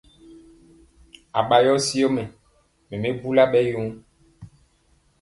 Aɓa yɔ syɔ mɛ mi bula ɓɛ yoo.